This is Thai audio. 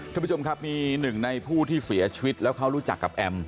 ท่านผู้ชมครับมีหนึ่งในผู้ที่เสียชีวิตแล้วเขารู้จักกับแอม